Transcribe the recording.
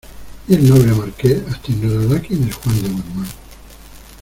¿ y el noble Marqués hasta ignorará quién es Juan de Guzmán?